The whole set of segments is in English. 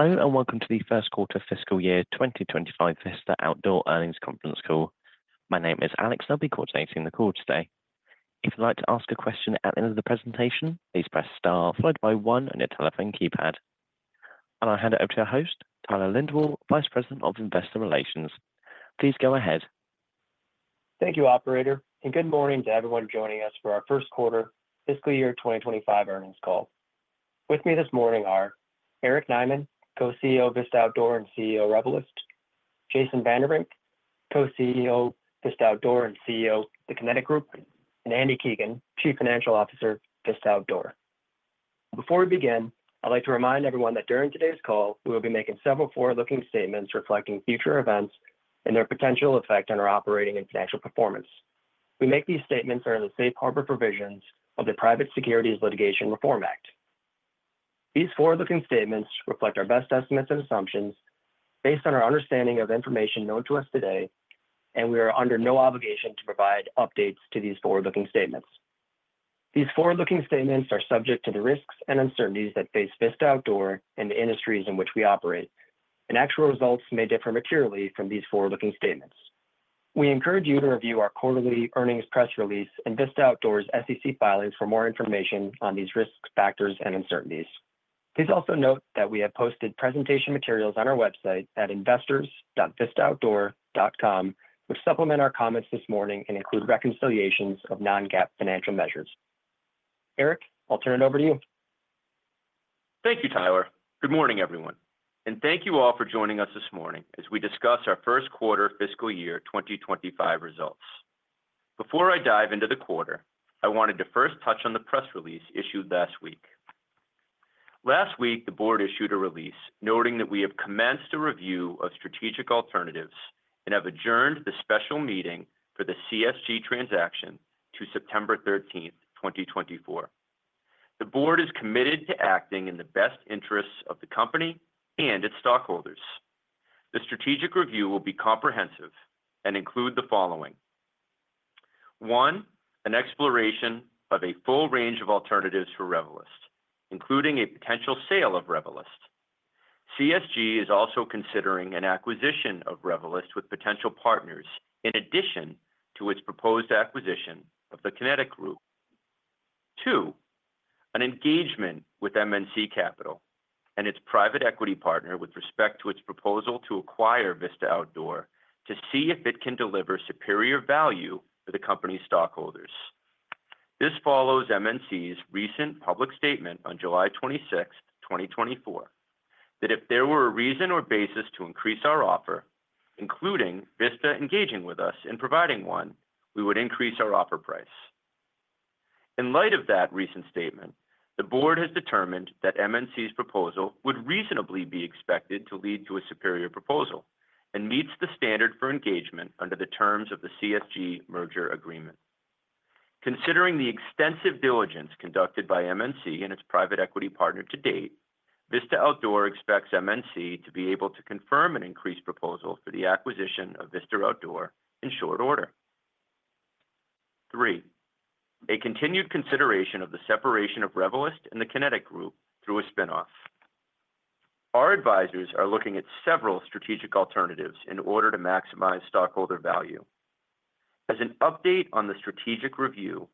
Hello, and welcome to the first quarter fiscal year 2025 Vista Outdoor Earnings Conference Call. My name is Alex, and I'll be coordinating the call today. If you'd like to ask a question at the end of the presentation, please press Star followed by One on your telephone keypad. I'll hand it over to our host, Tyler Lindwall, Vice President of Investor Relations. Please go ahead. Thank you, operator, and good morning to everyone joining us for our first quarter fiscal year 2025 earnings call. With me this morning are Eric Nyman, Co-CEO of Vista Outdoor and CEO of Revelyst; Jason Vanderbrink, Co-CEO of Vista Outdoor and CEO of The Kinetic Group; and Andy Keegan, Chief Financial Officer of Vista Outdoor. Before we begin, I'd like to remind everyone that during today's call, we will be making several forward-looking statements reflecting future events and their potential effect on our operating and financial performance. We make these statements under the safe harbor provisions of the Private Securities Litigation Reform Act. These forward-looking statements reflect our best estimates and assumptions based on our understanding of information known to us today, and we are under no obligation to provide updates to these forward-looking statements. These forward-looking statements are subject to the risks and uncertainties that face Vista Outdoor and the industries in which we operate, and actual results may differ materially from these forward-looking statements. We encourage you to review our quarterly earnings press release and Vista Outdoor's SEC filings for more information on these risks, factors, and uncertainties. Please also note that we have posted presentation materials on our website at investors.vistaoutdoor.com, which supplement our comments this morning and include reconciliations of non-GAAP financial measures. Eric, I'll turn it over to you. Thank you, Tyler. Good morning, everyone, and thank you all for joining us this morning as we discuss our first quarter fiscal year 2025 results. Before I dive into the quarter, I wanted to first touch on the press release issued last week. Last week, the board issued a release noting that we have commenced a review of strategic alternatives and have adjourned the special meeting for the CSG transaction to September 13th, 2024. The board is committed to acting in the best interests of the company and its stockholders. The strategic review will be comprehensive and include the following: 1, an exploration of a full range of alternatives for Revelyst, including a potential sale of Revelyst. CSG is also considering an acquisition of Revelyst with potential partners in addition to its proposed acquisition of The Kinetic Group. Two, an engagement with MNC Capital and its private equity partner with respect to its proposal to acquire Vista Outdoor to see if it can deliver superior value for the company's stockholders. This follows MNC's recent public statement on July 26th, 2024, that if there were a reason or basis to increase our offer, including Vista engaging with us and providing one, we would increase our offer price. In light of that recent statement, the board has determined that MNC's proposal would reasonably be expected to lead to a superior proposal and meets the standard for engagement under the terms of the CSG merger agreement. Considering the extensive diligence conducted by MNC and its private equity partner to date, Vista Outdoor expects MNC to be able to confirm an increased proposal for the acquisition of Vista Outdoor in short order. Three, a continued consideration of the separation of Revelyst and The Kinetic Group through a spin-off. Our advisors are looking at several strategic alternatives in order to maximize stockholder value. As an update on the strategic review,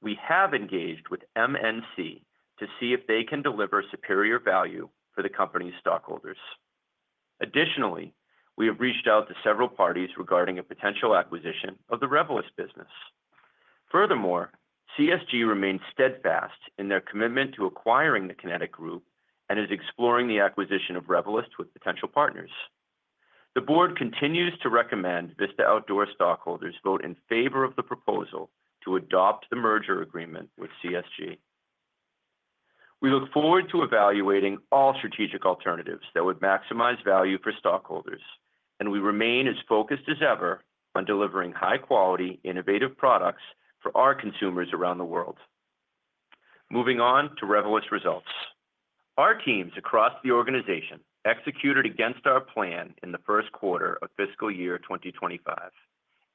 we have engaged with MNC to see if they can deliver superior value for the company's stockholders. Additionally, we have reached out to several parties regarding a potential acquisition of the Revelyst business. Furthermore, CSG remains steadfast in their commitment to acquiring The Kinetic Group and is exploring the acquisition of Revelyst with potential partners. The board continues to recommend Vista Outdoor stockholders vote in favor of the proposal to adopt the merger agreement with CSG. We look forward to evaluating all strategic alternatives that would maximize value for stockholders, and we remain as focused as ever on delivering high-quality, innovative products for our consumers around the world. Moving on to Revelyst results. Our teams across the organization executed against our plan in the first quarter of fiscal year 2025,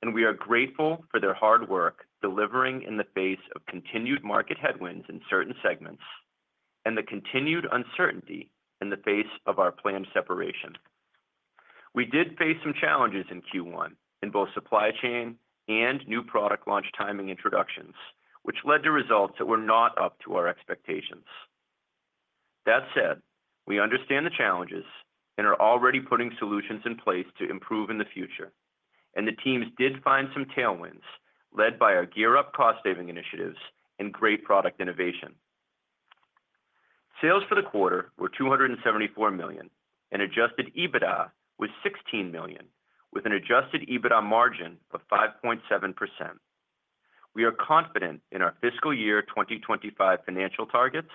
and we are grateful for their hard work delivering in the face of continued market headwinds in certain segments and the continued uncertainty in the face of our planned separation. We did face some challenges in Q1 in both supply chain and new product launch timing introductions, which led to results that were not up to our expectations. That said, we understand the challenges and are already putting solutions in place to improve in the future. The teams did find some tailwinds, led by our GEAR Up cost-saving initiatives and great product innovation. Sales for the quarter were $274 million, and adjusted EBITDA was $16 million, with an adjusted EBITDA margin of 5.7%. We are confident in our fiscal year 2025 financial targets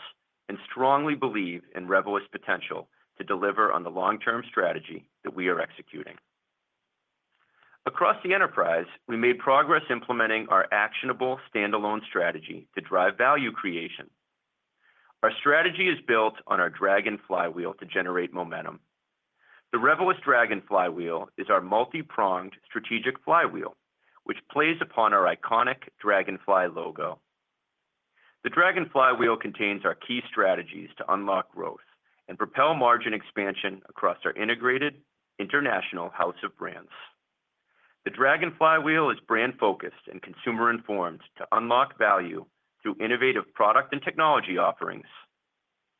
and strongly believe in Revelyst's potential to deliver on the long-term strategy that we are executing. Across the enterprise, we made progress implementing our actionable standalone strategy to drive value creation. Our strategy is built on our Dragonfly Wheel to generate momentum. The Revelyst Dragonfly Wheel is our multi-pronged strategic flywheel, which plays upon our iconic dragonfly logo.... The Dragonfly Wheel contains our key strategies to unlock growth and propel margin expansion across our integrated international house of brands. The Dragonfly Wheel is brand-focused and consumer-informed to unlock value through innovative product and technology offerings,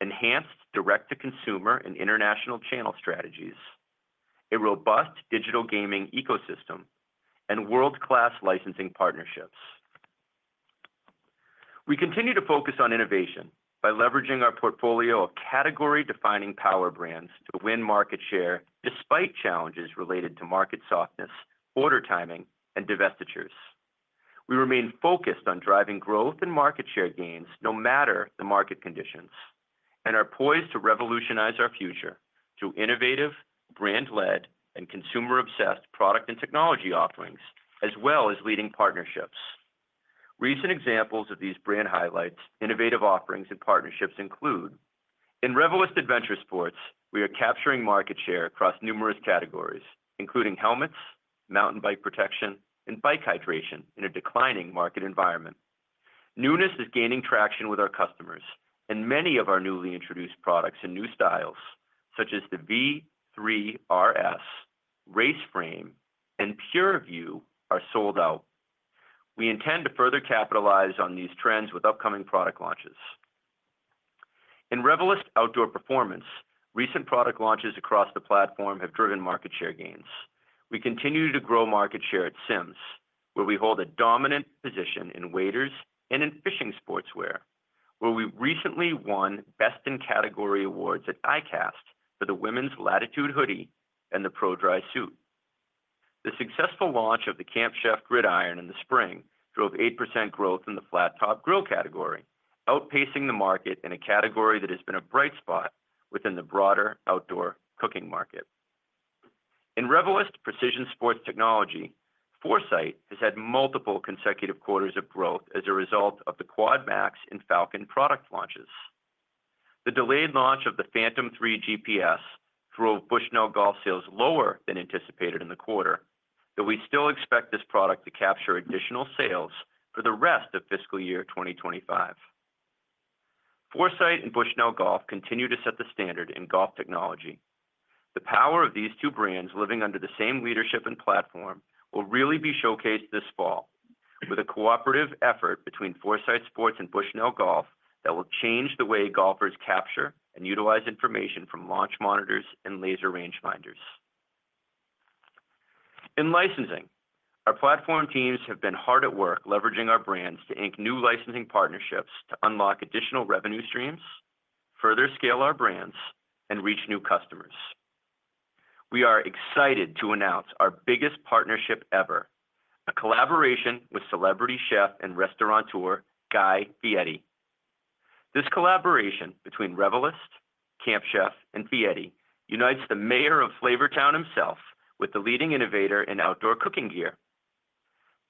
enhanced Direct-to-Consumer and international channel strategies, a robust digital gaming ecosystem, and world-class licensing partnerships. We continue to focus on innovation by leveraging our portfolio of category-defining power brands to win market share, despite challenges related to market softness, order timing, and divestitures. We remain focused on driving growth and market share gains, no matter the market conditions, and are poised to revolutionize our future through innovative, brand-led, and consumer-obsessed product and technology offerings, as well as leading partnerships. Recent examples of these brand highlights, innovative offerings, and partnerships include: in Revelyst Adventure Sports, we are capturing market share across numerous categories, including helmets, mountain bike protection, and bike hydration in a declining market environment. Newness is gaining traction with our customers, and many of our newly introduced products and new styles, such as the V3 RS, Raceframe, and Purevue, are sold out. We intend to further capitalize on these trends with upcoming product launches. In Revelyst Outdoor Performance, recent product launches across the platform have driven market share gains. We continue to grow market share at Simms, where we hold a dominant position in waders and in fishing sportswear, where we recently won Best In Category awards at ICAST for the Women's Latitude Hoodie and the ProDry Suit. The successful launch of the Camp Chef Gridiron in the spring drove 8% growth in the flat top grill category, outpacing the market in a category that has been a bright spot within the broader outdoor cooking market. In Revelyst Precision Sports Technology, Foresight has had multiple consecutive quarters of growth as a result of the QuadMAX and Falcon product launches. The delayed launch of the Phantom 3 GPS drove Bushnell Golf sales lower than anticipated in the quarter, but we still expect this product to capture additional sales for the rest of fiscal year 2025. Foresight and Bushnell Golf continue to set the standard in golf technology. The power of these two brands living under the same leadership and platform will really be showcased this fall with a cooperative effort between Foresight Sports and Bushnell Golf that will change the way golfers capture and utilize information from launch monitors and laser range finders. In licensing, our platform teams have been hard at work leveraging our brands to ink new licensing partnerships to unlock additional revenue streams, further scale our brands, and reach new customers. We are excited to announce our biggest partnership ever, a collaboration with celebrity chef and restaurateur, Guy Fieri. This collaboration between Revelyst, Camp Chef, and Fieri unites the Mayor of Flavortown himself with the leading innovator in outdoor cooking gear.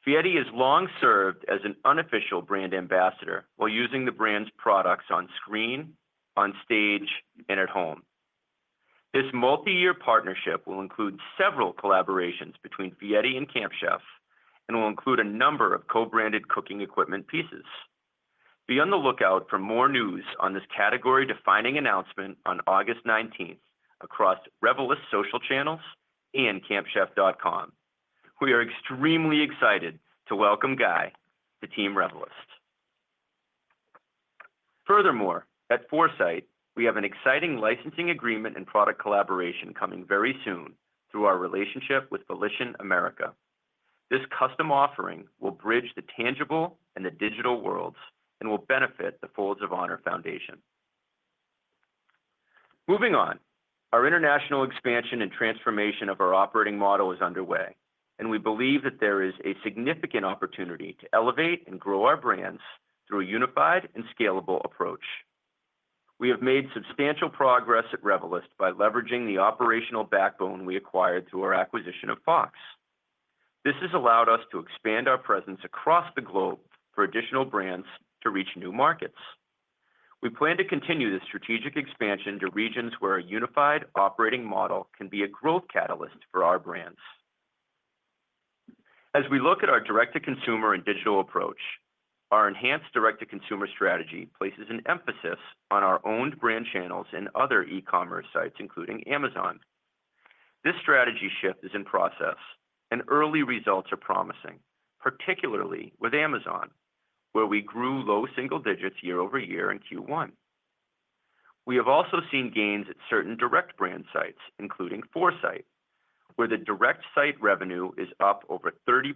Fieri has long served as an unofficial brand ambassador while using the brand's products on screen, on stage, and at home. This multi-year partnership will include several collaborations between Fieri and Camp Chef and will include a number of co-branded cooking equipment pieces. Be on the lookout for more news on this category-defining announcement on August nineteenth across Revelyst social channels and campchef.com. We are extremely excited to welcome Guy to team Revelyst. Furthermore, at Foresight, we have an exciting licensing agreement and product collaboration coming very soon through our relationship with Volition America. This custom offering will bridge the tangible and the digital worlds and will benefit the Folds of Honor Foundation. Moving on, our international expansion and transformation of our operating model is underway, and we believe that there is a significant opportunity to elevate and grow our brands through a unified and scalable approach. We have made substantial progress at Revelyst by leveraging the operational backbone we acquired through our acquisition of Fox. This has allowed us to expand our presence across the globe for additional brands to reach new markets. We plan to continue this strategic expansion to regions where a unified operating model can be a growth catalyst for our brands. As we look at our Direct-to-Consumer and digital approach, our enhanced Direct-to-Consumer strategy places an emphasis on our own brand channels and other e-commerce sites, including Amazon. This strategy shift is in process, and early results are promising, particularly with Amazon, where we grew low single digits year-over-year in Q1. We have also seen gains at certain direct brand sites, including Foresight, where the direct site revenue is up over 30%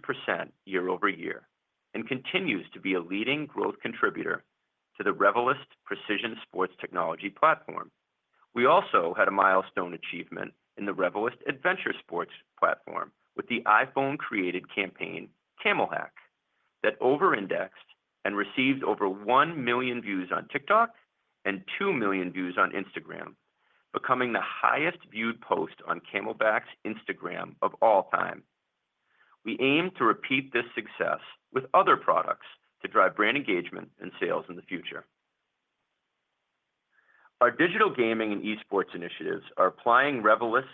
year-over-year and continues to be a leading growth contributor to the Revelyst Precision Sports Technology platform. We also had a milestone achievement in the Revelyst Adventure Sports platform with the iPhone-created campaign, CamelHack, that over-indexed and received over 1 million views on TikTok and 2 million views on Instagram, becoming the highest viewed post on CamelBak's Instagram of all time. We aim to repeat this success with other products to drive brand engagement and sales in the future. Our digital gaming and esports initiatives are applying Revelyst's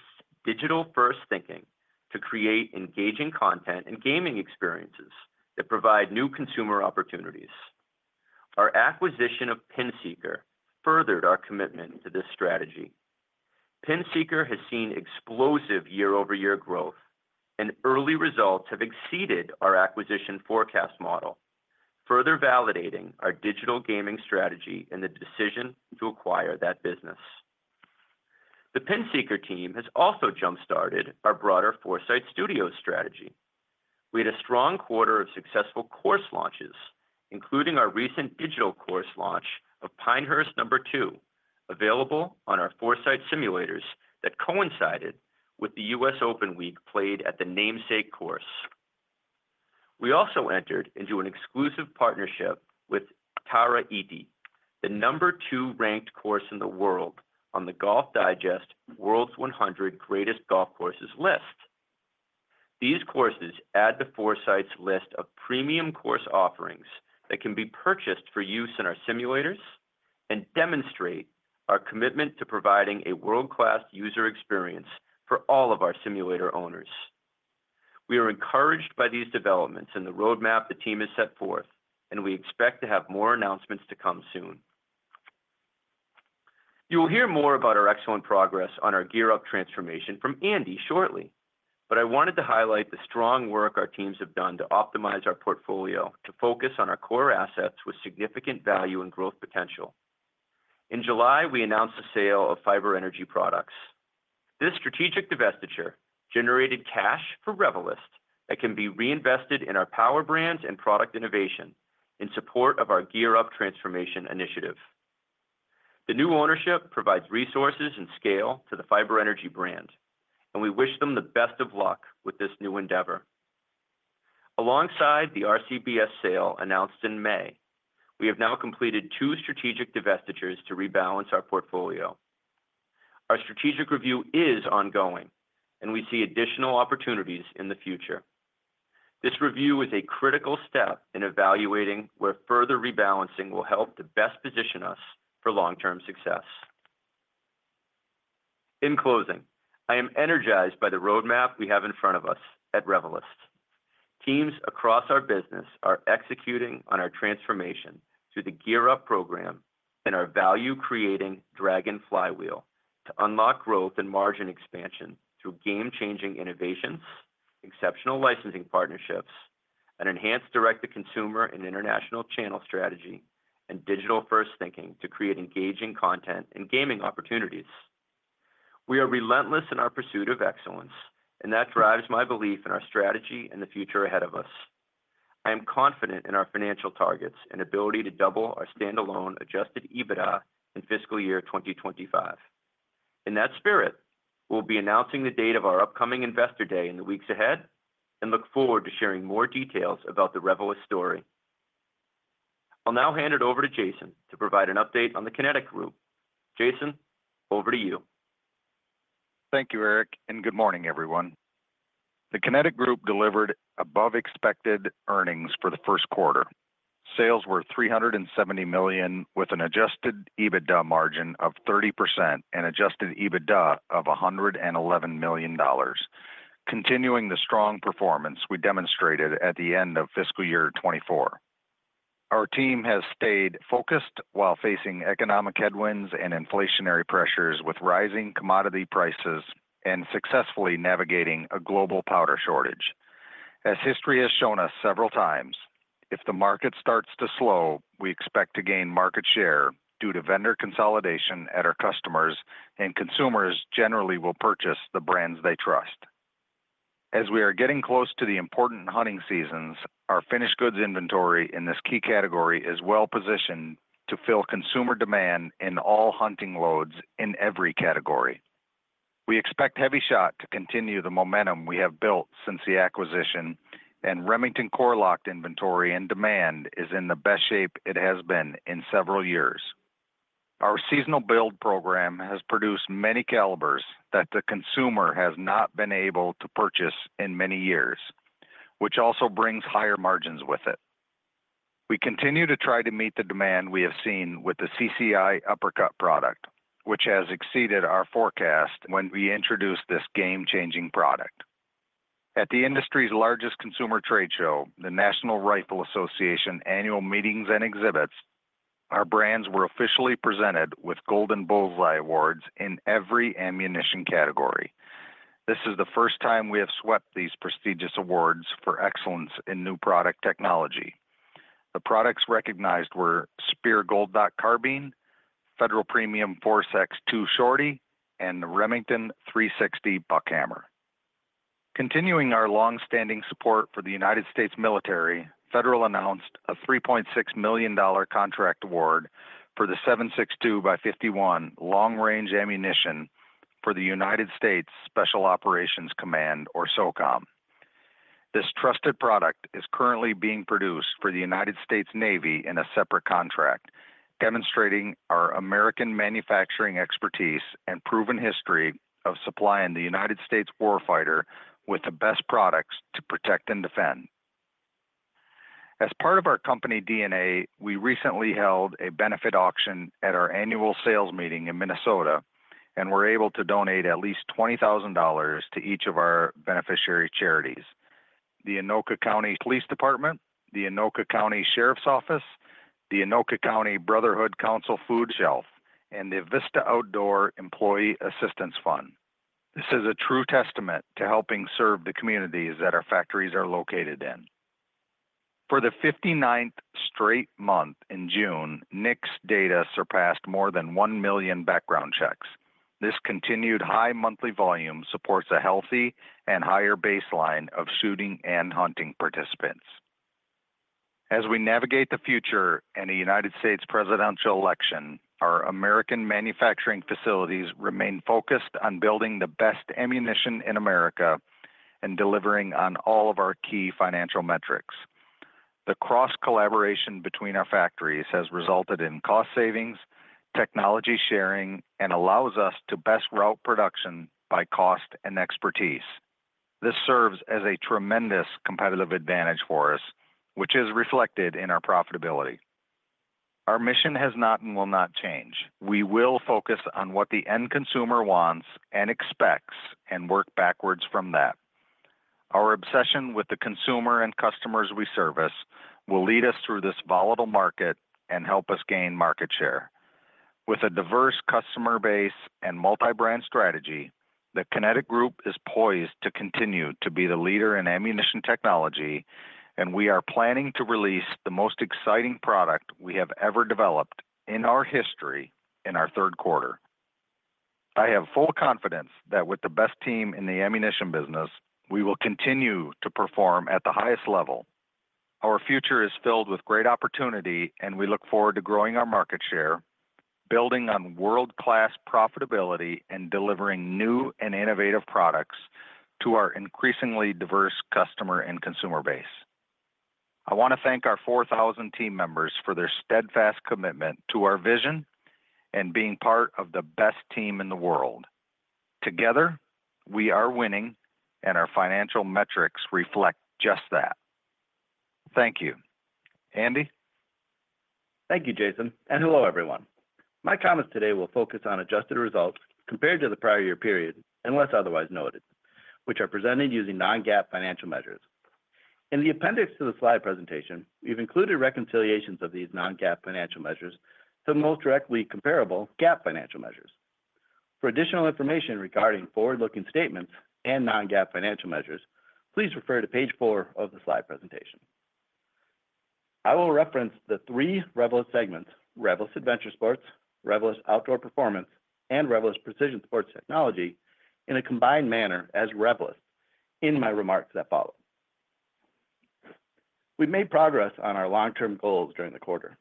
digital-first thinking to create engaging content and gaming experiences that provide new consumer opportunities. Our acquisition of PinSeeker furthered our commitment to this strategy. PinSeeker has seen explosive year-over-year growth, and early results have exceeded our acquisition forecast model, further validating our digital gaming strategy and the decision to acquire that business. The PinSeeker team has also jumpstarted our broader Foresight Studios strategy. We had a strong quarter of successful course launches, including our recent digital course launch of Pinehurst No. 2, available on our Foresight simulators that coincided with the U.S. Open week played at the namesake course. We also entered into an exclusive partnership with Tara Iti, the No. 2 ranked course in the world on the Golf Digest World's 100 Greatest Golf Courses list. These courses add to Foresight's list of premium course offerings that can be purchased for use in our simulators and demonstrate our commitment to providing a world-class user experience for all of our simulator owners. We are encouraged by these developments and the roadmap the team has set forth, and we expect to have more announcements to come soon. You will hear more about our excellent progress on our GEAR Up transformation from Andy shortly, but I wanted to highlight the strong work our teams have done to optimize our portfolio to focus on our core assets with significant value and growth potential. In July, we announced the sale of Fiber Energy Products. This strategic divestiture generated cash for Revelyst that can be reinvested in our power brands and product innovation in support of our GEAR Up transformation initiative. The new ownership provides resources and scale to the Fiber Energy brand, and we wish them the best of luck with this new endeavor. Alongside the RCBS sale announced in May, we have now completed two strategic divestitures to rebalance our portfolio. Our strategic review is ongoing, and we see additional opportunities in the future. This review is a critical step in evaluating where further rebalancing will help to best position us for long-term success. In closing, I am energized by the roadmap we have in front of us at Revelyst. Teams across our business are executing on our transformation through the Gear Up program and our value-creating Dragonfly Wheel to unlock growth and margin expansion through game-changing innovations, exceptional licensing partnerships, and enhanced direct-to-consumer and international channel strategy, and digital-first thinking to create engaging content and gaming opportunities. We are relentless in our pursuit of excellence, and that drives my belief in our strategy and the future ahead of us. I am confident in our financial targets and ability to double our standalone adjusted EBITDA in fiscal year 2025. In that spirit, we'll be announcing the date of our upcoming Investor Day in the weeks ahead and look forward to sharing more details about the Revelyst story. I'll now hand it over to Jason to provide an update on the Kinetic Group. Jason, over to you. Thank you, Eric, and good morning, everyone. The Kinetic Group delivered above-expected earnings for the first quarter. Sales were $370 million, with an adjusted EBITDA margin of 30% and adjusted EBITDA of $111 million, continuing the strong performance we demonstrated at the end of fiscal year 2024. Our team has stayed focused while facing economic headwinds and inflationary pressures with rising commodity prices and successfully navigating a global powder shortage. As history has shown us several times, if the market starts to slow, we expect to gain market share due to vendor consolidation at our customers, and consumers generally will purchase the brands they trust. As we are getting close to the important hunting seasons, our finished goods inventory in this key category is well positioned to fill consumer demand in all hunting loads in every category. We expect HEVI-Shot to continue the momentum we have built since the acquisition, and Remington Core-Lokt inventory and demand is in the best shape it has been in several years. Our seasonal build program has produced many calibers that the consumer has not been able to purchase in many years, which also brings higher margins with it. We continue to try to meet the demand we have seen with the CCI Uppercut product, which has exceeded our forecast when we introduced this game-changing product. At the industry's largest consumer trade show, the National Rifle Association Annual Meetings and Exhibits, our brands were officially presented with Golden Bullseye Awards in every ammunition category. This is the first time we have swept these prestigious awards for excellence in new product technology. The products recognized were Speer Gold Dot Carbine, Federal Premium Force X2 Shorty, and the Remington 360 Buckhammer. Continuing our long-standing support for the United States Military, Federal announced a $3.6 million contract award for the 7.62 by 51 long-range ammunition for the United States Special Operations Command, or SOCOM. This trusted product is currently being produced for the United States Navy in a separate contract, demonstrating our American manufacturing expertise and proven history of supplying the United States war fighter with the best products to protect and defend. As part of our company DNA, we recently held a benefit auction at our annual sales meeting in Minnesota, and were able to donate at least $20,000 to each of our beneficiary charities: the Anoka County Police Department, the Anoka County Sheriff's Office, the Anoka County Brotherhood Council Food Shelf, and the Vista Outdoor Employee Assistance Fund. This is a true testament to helping serve the communities that our factories are located in. For the 59th straight month in June, NICS data surpassed more than 1 million background checks. This continued high monthly volume supports a healthy and higher baseline of shooting and hunting participants. As we navigate the future and the United States presidential election, our American manufacturing facilities remain focused on building the best ammunition in America and delivering on all of our key financial metrics. The cross-collaboration between our factories has resulted in cost savings, technology sharing, and allows us to best route production by cost and expertise. This serves as a tremendous competitive advantage for us, which is reflected in our profitability. Our mission has not and will not change. We will focus on what the end consumer wants and expects, and work backwards from that. Our obsession with the consumer and customers we service will lead us through this volatile market and help us gain market share. With a diverse customer base and multi-brand strategy, The Kinetic Group is poised to continue to be the leader in ammunition technology, and we are planning to release the most exciting product we have ever developed in our history in our third quarter. I have full confidence that with the best team in the ammunition business, we will continue to perform at the highest level. Our future is filled with great opportunity, and we look forward to growing our market share, building on world-class profitability, and delivering new and innovative products to our increasingly diverse customer and consumer base. I want to thank our 4,000 team members for their steadfast commitment to our vision and being part of the best team in the world. Together, we are winning, and our financial metrics reflect just that. Thank you. Andy? Thank you, Jason, and hello, everyone. My comments today will focus on adjusted results compared to the prior year period, unless otherwise noted, which are presented using non-GAAP financial measures. In the appendix to the slide presentation, we've included reconciliations of these non-GAAP financial measures to the most directly comparable GAAP financial measures. For additional information regarding forward-looking statements and non-GAAP financial measures, please refer to page 4 of the slide presentation. I will reference the three Revelyst segments: Revelyst Adventure Sports, Revelyst Outdoor Performance, and Revelyst Precision Sports Technology, in a combined manner as Revelyst in my remarks that follow. We've made progress on our long-term goals during the quarter.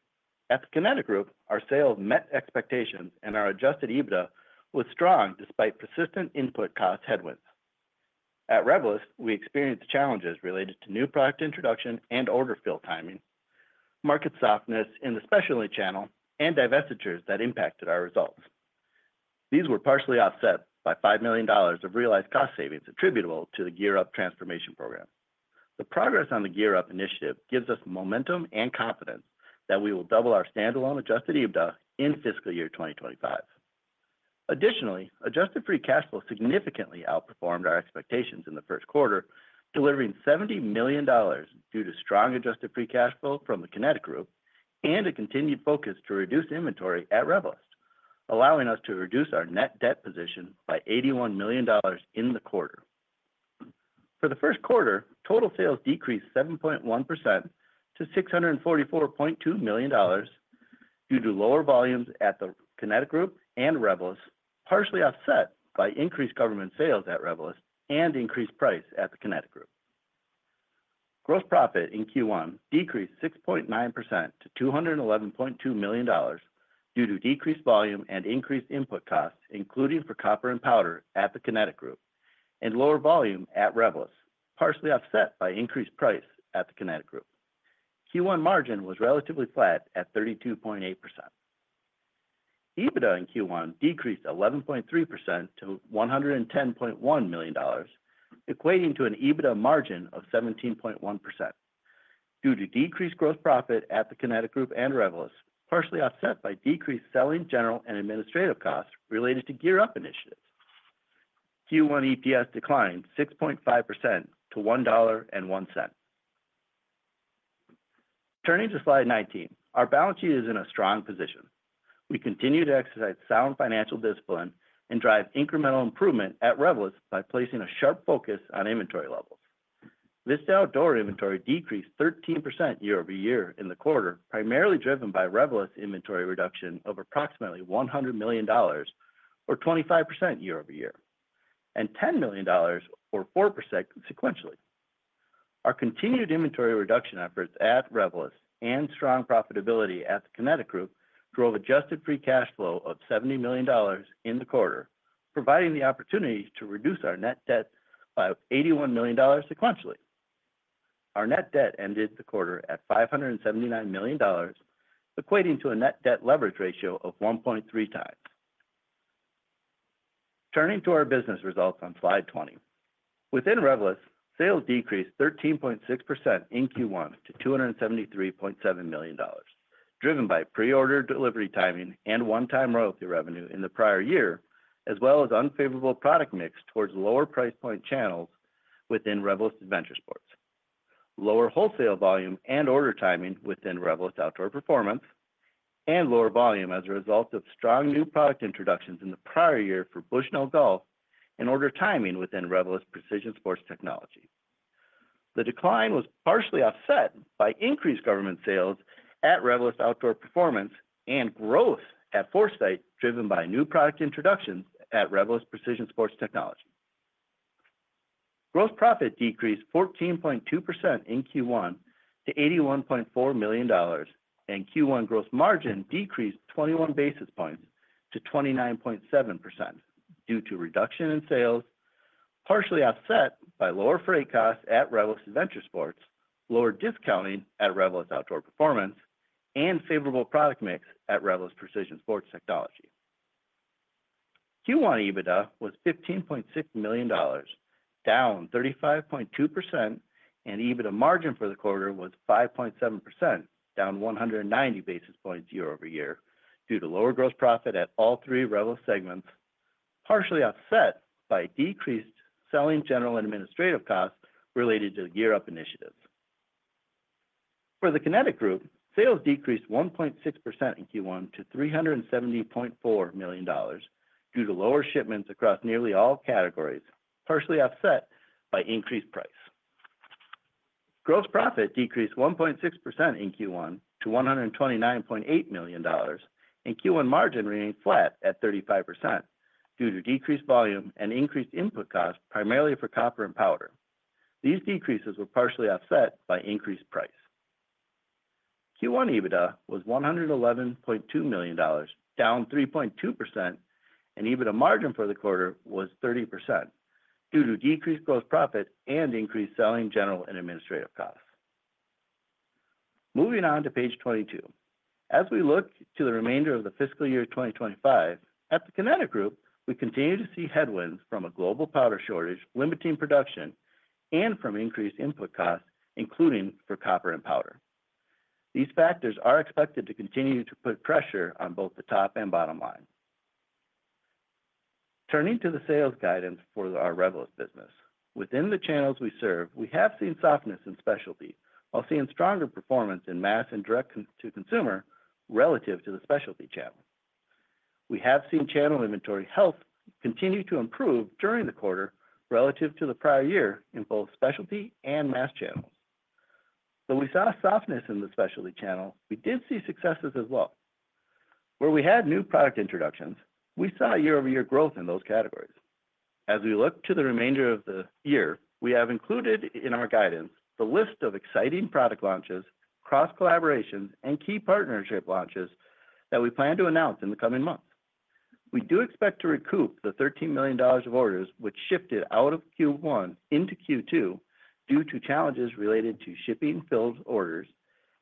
At The Kinetic Group, our sales met expectations, and our Adjusted EBITDA was strong despite persistent input cost headwinds. At Revelyst, we experienced challenges related to new product introduction and order fill timing, market softness in the specialty channel, and divestitures that impacted our results. These were partially offset by $5 million of realized cost savings attributable to the GEAR Up transformation program. The progress on the GEAR Up initiative gives us momentum and confidence that we will double our standalone Adjusted EBITDA in fiscal year 2025. Additionally, adjusted free cash flow significantly outperformed our expectations in the first quarter, delivering $70 million due to strong adjusted free cash flow from The Kinetic Group and a continued focus to reduce inventory at Revelyst, allowing us to reduce our net debt position by $81 million in the quarter. For the first quarter, total sales decreased 7.1% to $644.2 million due to lower volumes at The Kinetic Group and Revelyst, partially offset by increased government sales at Revelyst and increased price at The Kinetic Group. Gross profit in Q1 decreased 6.9% to $211.2 million due to decreased volume and increased input costs, including for copper and powder at The Kinetic Group and lower volume at Revelyst, partially offset by increased price at The Kinetic Group. Q1 margin was relatively flat at 32.8%. EBITDA in Q1 decreased 11.3% to $110.1 million, equating to an EBITDA margin of 17.1%, due to decreased gross profit at The Kinetic Group and Revelyst, partially offset by decreased selling, general, and administrative costs related to GEAR Up initiatives. Q1 EPS declined 6.5% to $1.01. Turning to slide 19, our balance sheet is in a strong position. We continue to exercise sound financial discipline and drive incremental improvement at Revelyst by placing a sharp focus on inventory levels. This outdoor inventory decreased 13% year-over-year in the quarter, primarily driven by Revelyst inventory reduction of approximately $100 million or 25% year-over-year, and $10 million or 4% sequentially. Our continued inventory reduction efforts at Revelyst and strong profitability at The Kinetic Group drove adjusted free cash flow of $70 million in the quarter, providing the opportunity to reduce our net debt by $81 million sequentially. Our net debt ended the quarter at $579 million, equating to a net debt leverage ratio of 1.3 times.... Turning to our business results on slide 20. Within Revelyst, sales decreased 13.6% in Q1 to $273.7 million, driven by pre-order delivery timing and one-time royalty revenue in the prior year, as well as unfavorable product mix towards lower price point channels within Revelyst Adventure Sports. Lower wholesale volume and order timing within Revelyst Outdoor Performance, and lower volume as a result of strong new product introductions in the prior year for Bushnell Golf and order timing within Revelyst Precision Sports Technology. The decline was partially offset by increased government sales at Revelyst Outdoor Performance and growth at Foresight, driven by new product introductions at Revelyst Precision Sports Technology. Gross profit decreased 14.2% in Q1 to $81.4 million, and Q1 gross margin decreased 21 basis points to 29.7% due to reduction in sales, partially offset by lower freight costs at Revelyst Adventure Sports, lower discounting at Revelyst Outdoor Performance, and favorable product mix at Revelyst Precision Sports Technology. Q1 EBITDA was $15.6 million, down 35.2%, and EBITDA margin for the quarter was 5.7%, down 190 basis points year-over-year due to lower gross profit at all three Revelyst segments, partially offset by decreased selling, general, and administrative costs related to the GEAR Up initiatives. For the Kinetic Group, sales decreased 1.6% in Q1 to $370.4 million due to lower shipments across nearly all categories, partially offset by increased price. Gross profit decreased 1.6% in Q1 to $129.8 million, and Q1 margin remained flat at 35% due to decreased volume and increased input costs, primarily for copper and powder. These decreases were partially offset by increased price. Q1 EBITDA was $111.2 million, down 3.2%, and EBITDA margin for the quarter was 30% due to decreased gross profit and increased selling general and administrative costs. Moving on to page 22. As we look to the remainder of the fiscal year 2025, at the Kinetic Group, we continue to see headwinds from a global powder shortage, limiting production and from increased input costs, including for copper and powder. These factors are expected to continue to put pressure on both the top and bottom line. Turning to the sales guidance for our Revelyst business. Within the channels we serve, we have seen softness in specialty, while seeing stronger performance in mass and direct-to-consumer relative to the specialty channel. We have seen channel inventory health continue to improve during the quarter relative to the prior year in both specialty and mass channels. Though we saw a softness in the specialty channel, we did see successes as well. Where we had new product introductions, we saw year-over-year growth in those categories. As we look to the remainder of the year, we have included in our guidance the list of exciting product launches, cross collaborations, and key partnership launches that we plan to announce in the coming months. We do expect to recoup the $13 million of orders, which shifted out of Q1 into Q2 due to challenges related to shipping filled orders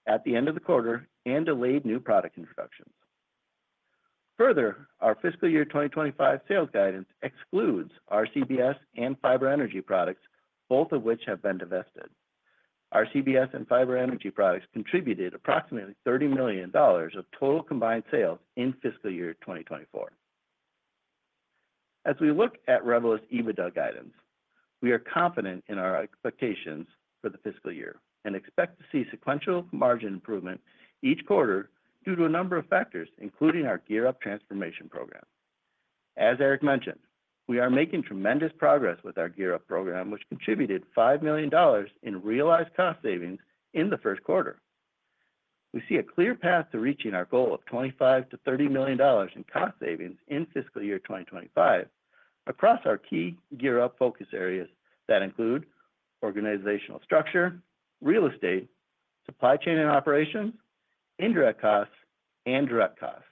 at the end of the quarter and delayed new product introductions. Further, our fiscal year 2025 sales guidance excludes RCBS and Fiber Energy Products, both of which have been divested. RCBS and Fiber Energy Products contributed approximately $30 million of total combined sales in fiscal year 2024. As we look at Revelyst EBITDA guidance, we are confident in our expectations for the fiscal year and expect to see sequential margin improvement each quarter due to a number of factors, including our GEAR Up transformation program. As Eric mentioned, we are making tremendous progress with our GEAR Up program, which contributed $5 million in realized cost savings in the first quarter. We see a clear path to reaching our goal of $25 million-$30 million in cost savings in fiscal year 2025 across our key GEAR Up focus areas that include organizational structure, real estate, supply chain and operations, indirect costs, and direct costs.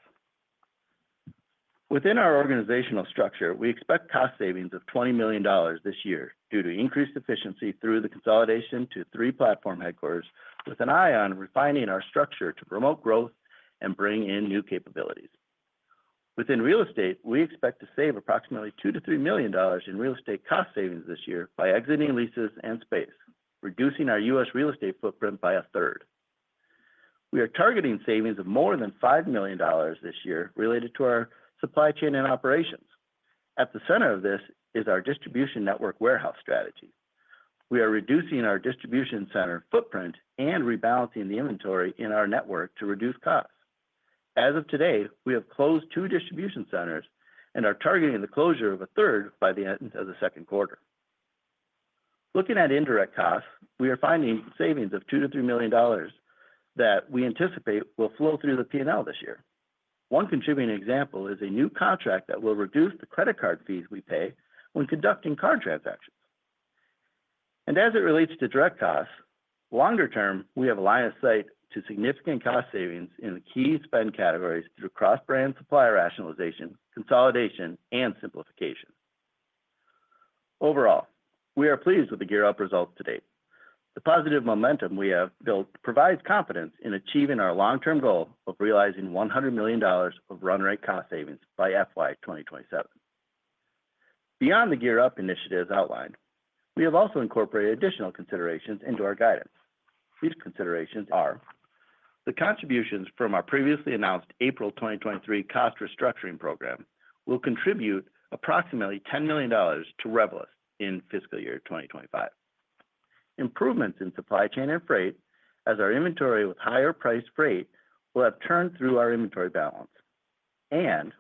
Within our organizational structure, we expect cost savings of $20 million this year due to increased efficiency through the consolidation to three platform headquarters, with an eye on refining our structure to promote growth and bring in new capabilities. Within real estate, we expect to save approximately $2 million-$3 million in real estate cost savings this year by exiting leases and space, reducing our U.S. real estate footprint by a third. We are targeting savings of more than $5 million this year related to our supply chain and operations. At the center of this is our distribution network warehouse strategy. We are reducing our distribution center footprint and rebalancing the inventory in our network to reduce costs. As of today, we have closed two distribution centers and are targeting the closure of a third by the end of the second quarter. Looking at indirect costs, we are finding savings of $2 million-$3 million that we anticipate will flow through the P&L this year. One contributing example is a new contract that will reduce the credit card fees we pay when conducting card transactions. As it relates to direct costs, longer term, we have a line of sight to significant cost savings in the key spend categories through cross-brand supplier rationalization, consolidation, and simplification. Overall, we are pleased with the GEAR Up results to date. The positive momentum we have built provides confidence in achieving our long-term goal of realizing $100 million of run rate cost savings by FY 2027. Beyond the GEAR Up initiatives outlined, we have also incorporated additional considerations into our guidance. These considerations are: the contributions from our previously announced April 2023 cost restructuring program will contribute approximately $10 million to Revelyst in fiscal year 2025. Improvements in supply chain and freight, as our inventory with higher priced freight will have turned through our inventory balance, and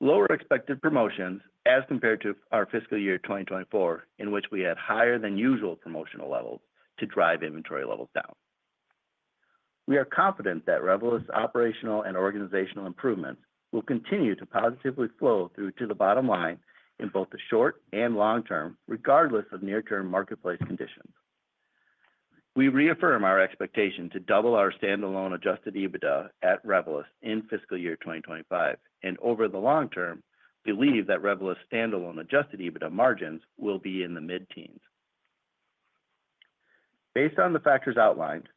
lower expected promotions as compared to our fiscal year 2024, in which we had higher than usual promotional levels to drive inventory levels down. We are confident that Revelyst's operational and organizational improvements will continue to positively flow through to the bottom line in both the short and long term, regardless of near-term marketplace conditions. We reaffirm our expectation to double our standalone adjusted EBITDA at Revelyst in fiscal year 2025, and over the long term, believe that Revelyst's standalone adjusted EBITDA margins will be in the mid-teens. Based on the factors outlined,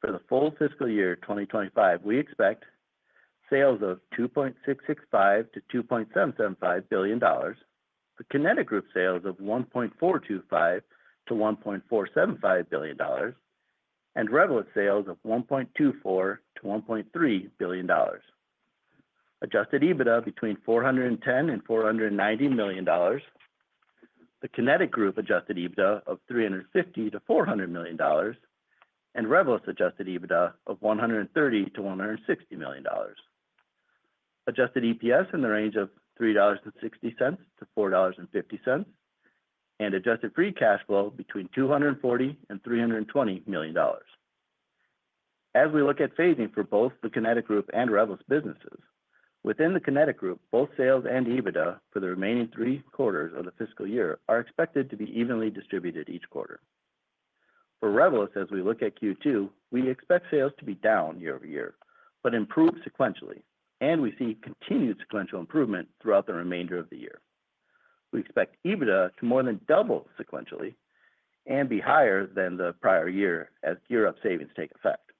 for the full fiscal year 2025, we expect sales of $2.665-$2.775 billion. The Kinetic Group sales of $1.425 billion-$1.475 billion, and Revelyst sales of $1.24 billion-$1.3 billion. Adjusted EBITDA between $410 million-$490 million. The Kinetic Group adjusted EBITDA of $350 million-$400 million, and Revelyst adjusted EBITDA of $130 million-$160 million. Adjusted EPS in the range of $3.60-$4.50, and adjusted free cash flow between $240 million-$320 million. As we look at phasing for both the Kinetic Group and Revelyst businesses, within the Kinetic Group, both sales and EBITDA for the remaining three quarters of the fiscal year are expected to be evenly distributed each quarter. For Revelyst, as we look at Q2, we expect sales to be down year over year, but improve sequentially, and we see continued sequential improvement throughout the remainder of the year. We expect EBITDA to more than double sequentially and be higher than the prior year as GEAR Up savings take effect.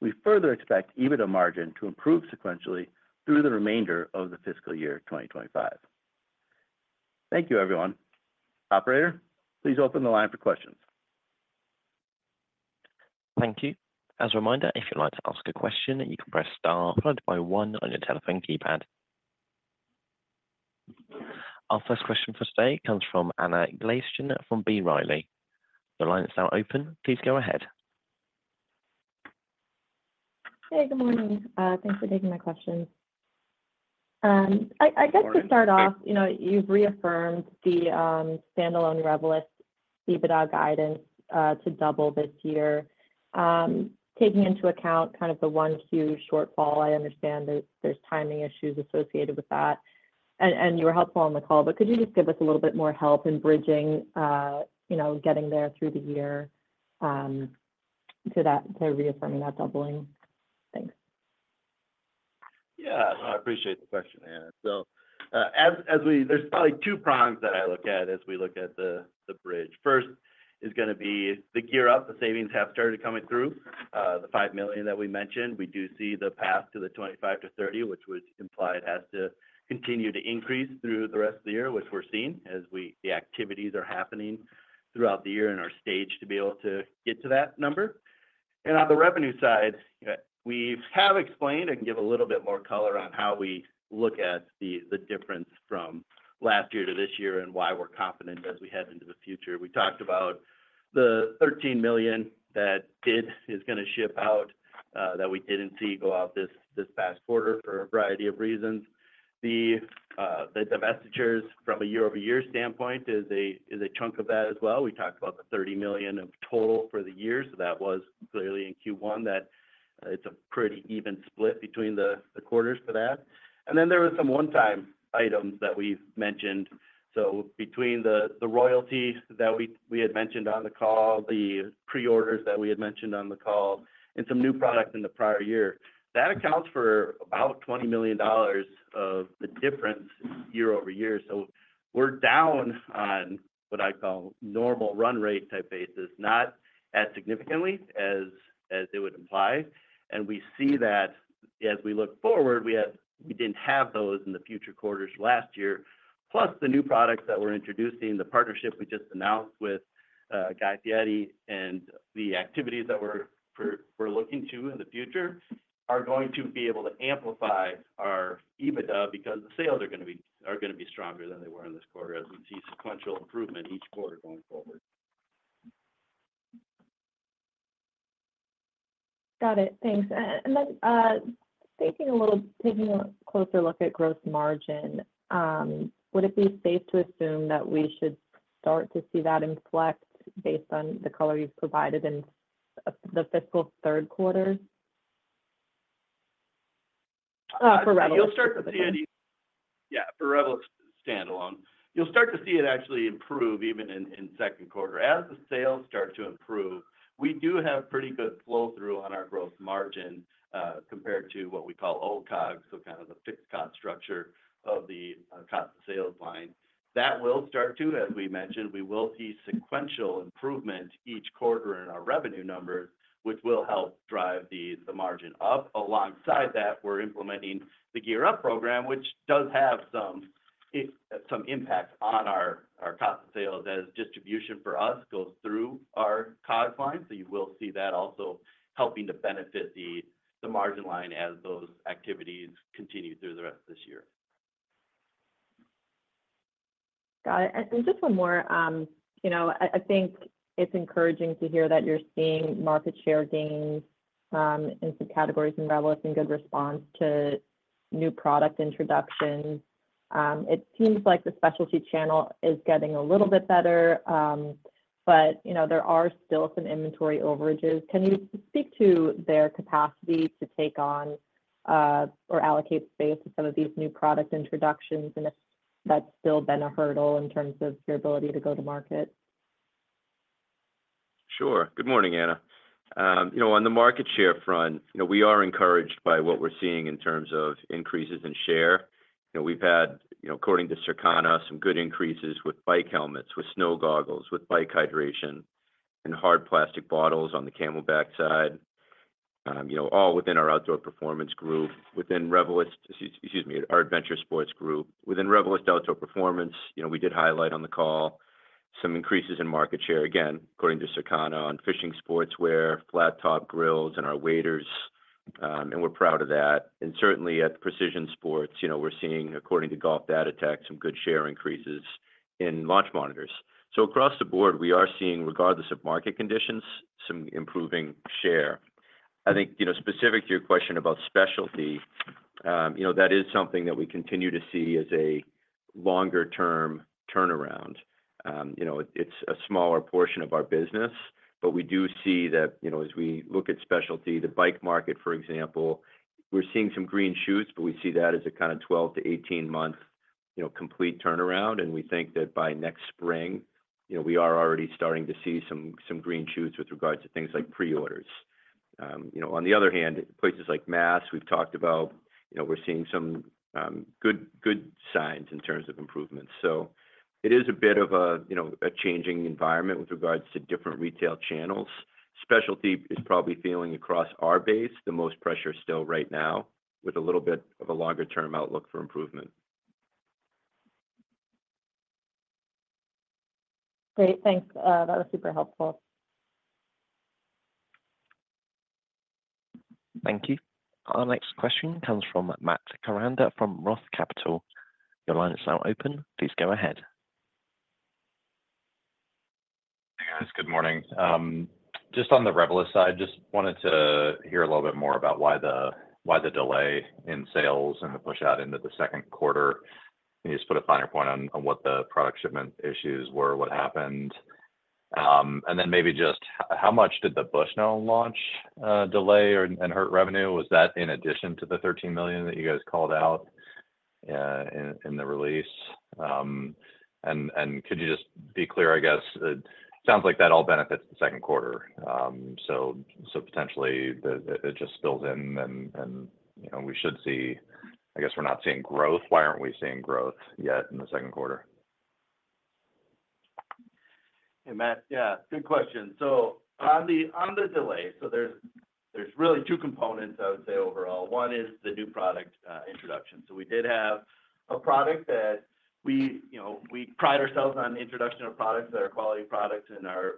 We further expect EBITDA margin to improve sequentially through the remainder of the fiscal year 2025. Thank you, everyone. Operator, please open the line for questions. Thank you. As a reminder, if you'd like to ask a question, you can press star followed by one on your telephone keypad. Our first question for today comes from Anna Glaessgen from B. Riley. Your line is now open. Please go ahead. Hey, good morning. Thanks for taking my questions. I, I guess to start off, you know, you've reaffirmed the standalone Revelyst EBITDA guidance to double this year. Taking into account kind of the 1Q shortfall, I understand there's timing issues associated with that, and you were helpful on the call, but could you just give us a little bit more help in bridging, you know, getting there through the year, to that—to reaffirming that doubling? Thanks. Yeah. I appreciate the question, Anna. So, as we look at the bridge. There's probably two prongs that I look at as we look at the bridge. First is gonna be the GEAR Up. The savings have started coming through. The $5 million that we mentioned, we do see the path to the $25 million-$30 million, which would imply it has to continue to increase through the rest of the year, which we're seeing as the activities are happening throughout the year and are staged to be able to get to that number. And on the revenue side, we have explained and can give a little bit more color on how we look at the difference from last year to this year and why we're confident as we head into the future. We talked about the $13 million that did is gonna ship out that we didn't see go out this this past quarter for a variety of reasons. The the divestitures from a year-over-year standpoint is a is a chunk of that as well. We talked about the $30 million of total for the year, so that was clearly in Q1, that it's a pretty even split between the the quarters for that. And then there were some one-time items that we've mentioned. So between the the royalties that we we had mentioned on the call, the pre-orders that we had mentioned on the call, and some new products in the prior year, that accounts for about $20 million of the difference year-over-year. So we're down on what I call normal run rate type basis, not as significantly as it would imply. We see that as we look forward, we have—we didn't have those in the future quarters last year. Plus, the new products that we're introducing, the partnership we just announced with Guy Fieri, and the activities that we're looking to in the future, are going to be able to amplify our EBITDA because the sales are gonna be stronger than they were in this quarter as we see sequential improvement each quarter going forward. Got it. Thanks. And then, taking a closer look at gross margin, would it be safe to assume that we should start to see that inflect based on the color you've provided in the fiscal third quarter for Revel? You'll start to see. Yeah, for Revel standalone. You'll start to see it actually improve even in second quarter. As the sales start to improve, we do have pretty good flow-through on our growth margin, compared to what we call old COGS, so kind of the fixed cost structure of the cost of sales line. That will start too, as we mentioned, we will see sequential improvement each quarter in our revenue numbers, which will help drive the margin up. Alongside that, we're implementing the GEAR Up program, which does have some impact on our cost of sales, as distribution for us goes through our COGS line. So you will see that also helping to benefit the margin line as those activities continue through the rest of this year. Got it. And, and just one more, you know, I think it's encouraging to hear that you're seeing market share gains in some categories in Revelyst in good response to new product introductions. It seems like the specialty channel is getting a little bit better, but, you know, there are still some inventory overages. Can you speak to their capacity to take on or allocate space to some of these new product introductions, and if that's still been a hurdle in terms of your ability to go to market? Sure. Good morning, Anna. You know, on the market share front, you know, we are encouraged by what we're seeing in terms of increases in share. You know, we've had, you know, according to Circana, some good increases with bike helmets, with snow goggles, with bike hydration, and hard plastic bottles on the CamelBak side. You know, all within our outdoor performance group, within Revelyst—excuse me, our Adventure Sports group. Within Revelyst Outdoor Performance, you know, we did highlight on the call some increases in market share, again, according to Circana, on fishing sports wear, flat top grills, and our waders, and we're proud of that. And certainly at Precision Sports, you know, we're seeing, according to Golf Datatech, some good share increases in launch monitors. So across the board, we are seeing, regardless of market conditions, some improving share. I think, you know, specific to your question about specialty, you know, that is something that we continue to see as a longer-term turnaround. You know, it's a smaller portion of our business, but we do see that, you know, as we look at specialty, the bike market, for example, we're seeing some green shoots, but we see that as a kind of 12 month-18-month, you know, complete turnaround, and we think that by next spring, you know, we are already starting to see some green shoots with regards to things like pre-orders. You know, on the other hand, places like Mass, we've talked about, you know, we're seeing some good signs in terms of improvements. So it is a bit of a, you know, a changing environment with regards to different retail channels. Specialty is probably feeling, across our base, the most pressure still right now, with a little bit of a longer-term outlook for improvement. Great, thanks. That was super helpful. Thank you. Our next question comes from Matt Koranda from Roth Capital. Your line is now open. Please go ahead. Hey, guys. Good morning. Just on the Revelyst side, just wanted to hear a little bit more about why the, why the delay in sales and the push out into the second quarter. Can you just put a finer point on, on what the product shipment issues were, what happened? And then maybe just how much did the Bushnell launch, delay or, and hurt revenue? Was that in addition to the $13 million that you guys called out, in, in the release? And, and could you just be clear, I guess, it sounds like that all benefits the second quarter. So, so potentially, it, it just spills in and, and, you know, we should see... I guess we're not seeing growth. Why aren't we seeing growth yet in the second quarter? Hey, Matt. Yeah, good question. So on the delay, there's really two components I would say overall. One is the new product introduction. So we did have a product that we, you know, we pride ourselves on the introduction of products that are quality products and are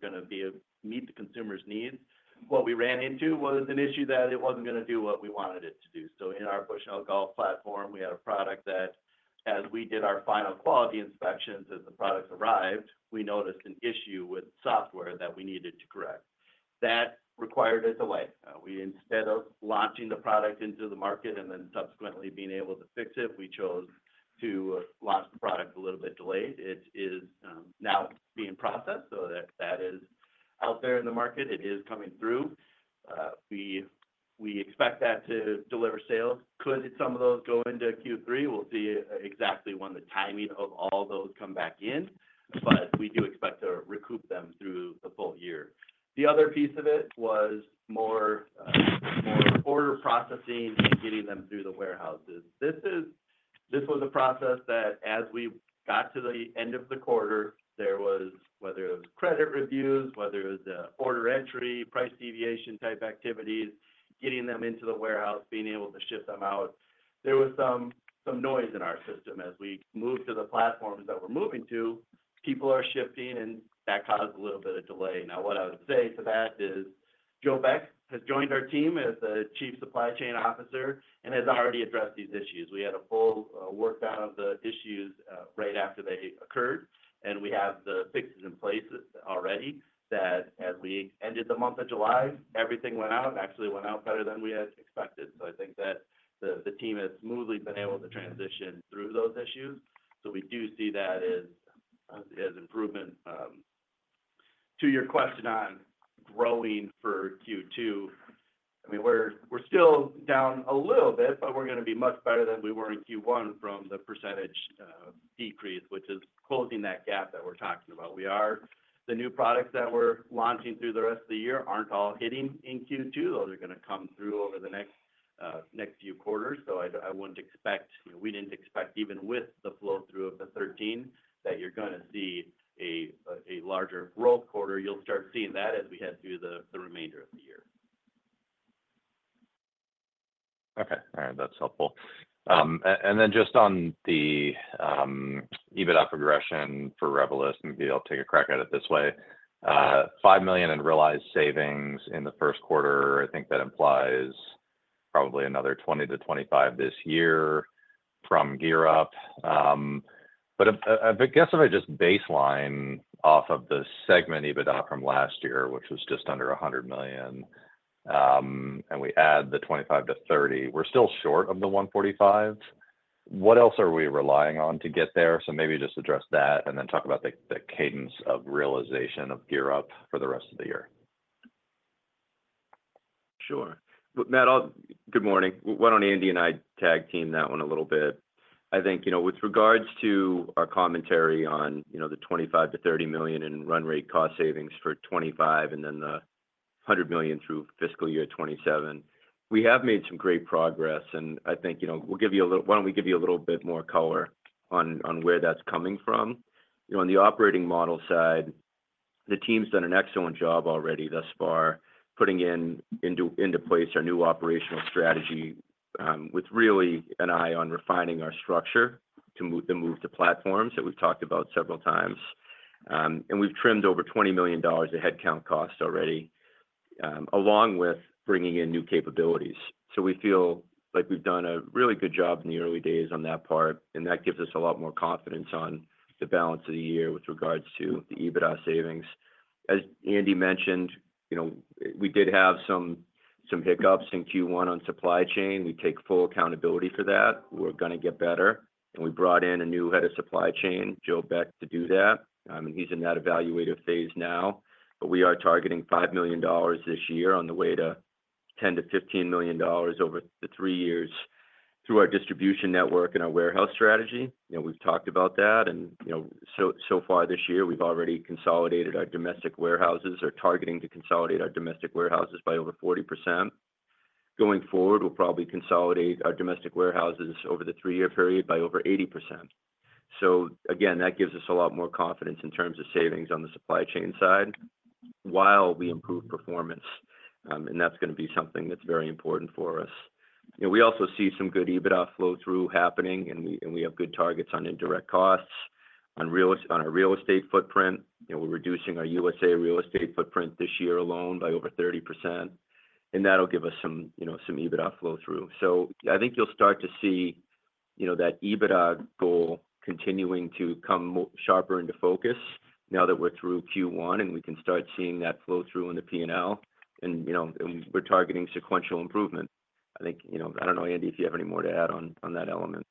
gonna meet the consumer's needs. What we ran into was an issue that it wasn't gonna do what we wanted it to do. So in our Bushnell Golf platform, we had a product that as we did our final quality inspections, as the product arrived, we noticed an issue with software that we needed to correct. That required a delay. We instead of launching the product into the market and then subsequently being able to fix it, we chose to launch the product a little bit delayed. It is now being processed, so that is out there in the market. It is coming through. We expect that to deliver sales. Could some of those go into Q3? We'll see exactly when the timing of all those come back in, but we do expect to recoup them through the full year. The other piece of it was more order processing and getting them through the warehouses. This was a process that as we got to the end of the quarter, there was, whether it was credit reviews, whether it was the order entry, price deviation type activities, getting them into the warehouse, being able to ship them out, there was some noise in our system. As we moved to the platforms that we're moving to, people are shifting, and that caused a little bit of delay. Now, what I would say to that is, Joe Beck has joined our team as the Chief Supply Chain Officer and has already addressed these issues. We had a full workout of the issues right after they occurred, and we have the fixes in place already, that as we ended the month of July, everything went out, and actually went out better than we had expected. So I think that the team has smoothly been able to transition through those issues. So we do see that as improvement. To your question on growing for Q2, I mean, we're still down a little bit, but we're gonna be much better than we were in Q1 from the percentage decrease, which is closing that gap that we're talking about. The new products that we're launching through the rest of the year aren't all hitting in Q2. Those are gonna come through over the next few quarters. So I wouldn't expect, we didn't expect, even with the flow-through of the 13, that you're gonna see a larger growth quarter. You'll start seeing that as we head through the remainder of the year. Okay. All right, that's helpful. And then just on the EBITDA progression for Revelyst, maybe I'll take a crack at it this way. $5 million in realized savings in the first quarter, I think that implies probably another $20 million-$25 million this year from Gear Up. But guess if I just baseline off of the segment EBITDA from last year, which was just under $100 million, and we add the 25-30, we're still short of the $145 million. What else are we relying on to get there? So maybe just address that, and then talk about the cadence of realization of GEAR UP for the rest of the year. Sure. Matt, I'll... Good morning. Why don't Andy and I tag team that one a little bit? I think, you know, with regards to our commentary on, you know, the $25 million-$30 million in run rate cost savings for 2025, and then the $100 million through fiscal year 2027, we have made some great progress, and I think, you know, we'll give you a little. Why don't we give you a little bit more color on where that's coming from? You know, on the operating model side, the team's done an excellent job already thus far, putting into place our new operational strategy, with really an eye on refining our structure to move to platforms that we've talked about several times. And we've trimmed over $20 million of headcount costs already, along with bringing in new capabilities. So we feel like we've done a really good job in the early days on that part, and that gives us a lot more confidence on the balance of the year with regards to the EBITDA savings. As Andy mentioned, you know, we did have some, some hiccups in Q1 on supply chain. We take full accountability for that. We're gonna get better, and we brought in a new head of supply chain, Joe Beck, to do that. I mean, he's in that evaluative phase now, but we are targeting $5 million this year on the way to $10 million-$15 million over the three years through our distribution network and our warehouse strategy. You know, we've talked about that, and, you know, so, so far this year, we've already consolidated our domestic warehouses or targeting to consolidate our domestic warehouses by over 40%. Going forward, we'll probably consolidate our domestic warehouses over the three-year period by over 80%. So again, that gives us a lot more confidence in terms of savings on the supply chain side, while we improve performance. And that's gonna be something that's very important for us. You know, we also see some good EBITDA flow-through happening, and we, and we have good targets on indirect costs, on our real estate footprint. You know, we're reducing our USA real estate footprint this year alone by over 30%, and that'll give us some, you know, some EBITDA flow-through. So I think you'll start to see, you know, that EBITDA goal continuing to come sharper into focus now that we're through Q1, and we can start seeing that flow-through in the P&L, and, you know, and we're targeting sequential improvement. I think, you know, I don't know, Andy, if you have any more to add on that element.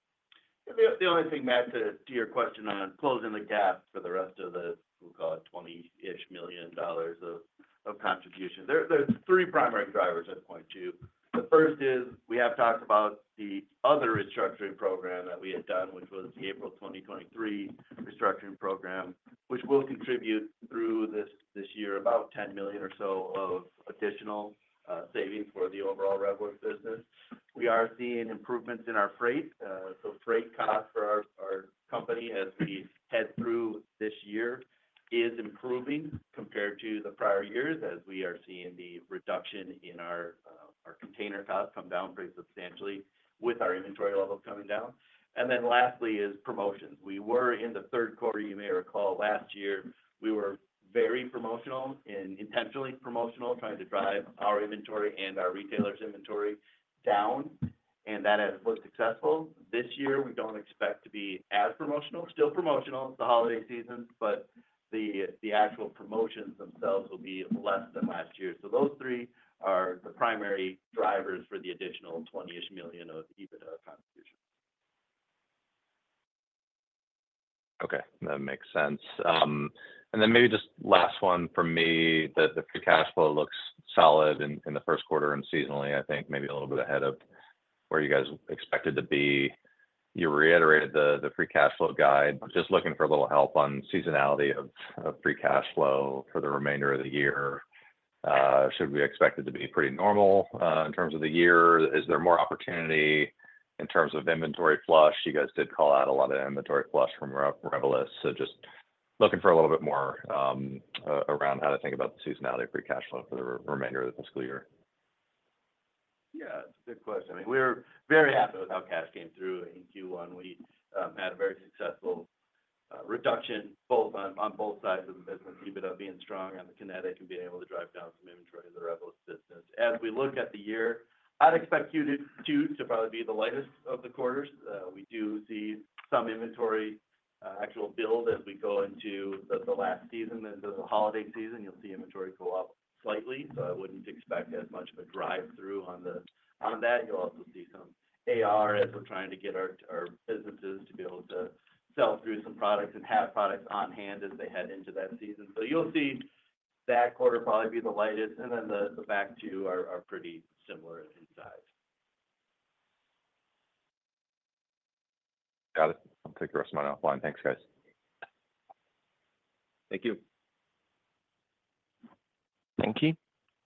The only thing, Matt, to your question on closing the gap for the rest of the, we'll call it $20-ish million of contribution. There are three primary drivers I'd point to. The first is, we have talked about the other restructuring program that we had done, which was the April 2023 restructuring program, which will contribute through this year, about $10 million or so of additional savings for the overall Revelyst business. We are seeing improvements in our freight. So freight cost for our company as we head through this year is improving compared to the prior years, as we are seeing the reduction in our container costs come down pretty substantially with our inventory levels coming down. And then lastly, is promotions. We were in the third quarter, you may recall last year, we were very promotional and intentionally promotional, trying to drive our inventory and our retailers' inventory down, and that was successful. This year, we don't expect to be as promotional, still promotional, it's the holiday season, but the actual promotions themselves will be less than last year. So those three are the primary drivers for the additional $20-ish million of EBITDA contribution. Okay, that makes sense. And then maybe just last one from me, the free cash flow looks solid in the first quarter and seasonally, I think maybe a little bit ahead of where you guys expected to be. You reiterated the free cash flow guide. Just looking for a little help on seasonality of free cash flow for the remainder of the year. Should we expect it to be pretty normal in terms of the year? Is there more opportunity in terms of inventory flush? You guys did call out a lot of inventory flush from Revelyst, so just looking for a little bit more around how to think about the seasonality of free cash flow for the remainder of the fiscal year. Yeah, it's a good question. I mean, we're very happy with how cash came through in Q1. We had a very successful reduction both on both sides of the business, EBITDA being strong on the Kinetic and being able to drive down some inventory in the Revelyst business. As we look at the year, I'd expect Q2 to probably be the lightest of the quarters. We do see some inventory actual build as we go into the last season, into the holiday season. You'll see inventory go up slightly, so I wouldn't expect as much of a drive-through on that. You'll also see some AR as we're trying to get our businesses to be able to sell through some products and have products on hand as they head into that season. So you'll see some-... that quarter will probably be the lightest, and then the back two are pretty similar in size. Got it. I'll take the rest of mine offline. Thanks, guys. Thank you. Thank you.